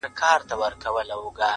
اوس که ورته وايي چي وه وروره